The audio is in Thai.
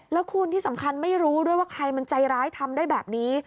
แล้วคุณที่สำคัญไม่รู้ด้วยว่าใครมันใจร้ายทำได้แบบนี้